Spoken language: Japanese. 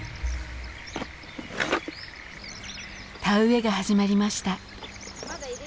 田植えが始まりました。